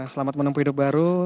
selamat menempuh hidup baru